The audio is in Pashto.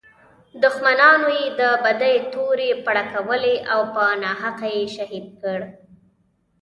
دښمنانو یې د بدۍ تورې پړکولې او په ناحقه یې شهید کړ.